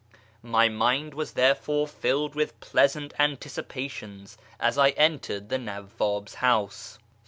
My mind was therefore filled with pleasant anticipations as I entered the Nawwab's house.